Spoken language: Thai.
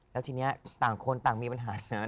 แล้วทีนี้ต่างคนต่างมีปัญหา